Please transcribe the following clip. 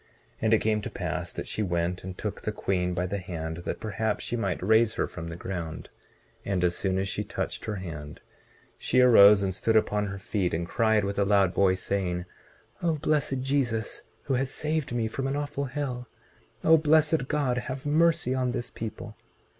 19:29 And it came to pass that she went and took the queen by the hand, that perhaps she might raise her from the ground; and as soon as she touched her hand she arose and stood upon her feet, and cried with a loud voice, saying: O blessed Jesus, who has saved me from an awful hell! O blessed God, have mercy on this people!